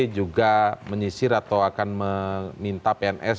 juga menyisir atau akan meminta pns